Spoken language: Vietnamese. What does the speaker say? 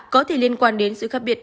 có thể liên quan đến sự khác biệt